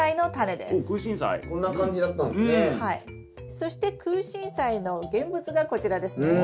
そしてクウシンサイの現物がこちらですね。